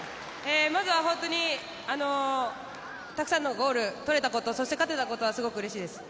まずは本当にたくさんのゴールを取れたことそして勝てたことはすごくうれしいです。